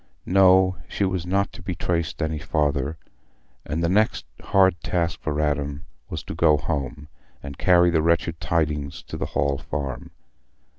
No, she was not to be traced any farther; and the next hard task for Adam was to go home and carry the wretched tidings to the Hall Farm.